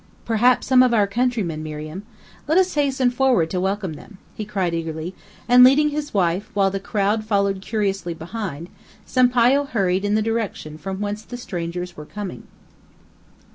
"Perhaps some of our countrymen, Miriam. Let us hasten forward to welcome them," he cried eagerly; and leading his wife, while the crowd followed curiously behind, Sampayo hurried in the direction from whence the strangers were coming.